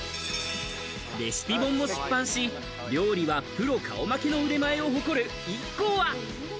レシピ本も出版し、料理はプロ顔負けの腕前を誇るＩＫＫＯは。